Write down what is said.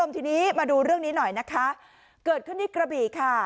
ทีนี้มาดูเรื่องนี้หน่อยนะคะเกิดขึ้นที่กระบี่ค่ะ